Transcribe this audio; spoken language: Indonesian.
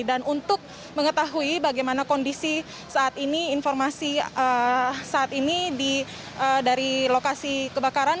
dan untuk mengetahui bagaimana kondisi saat ini informasi saat ini dari lokasi kebakaran